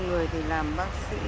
người thì làm bác sĩ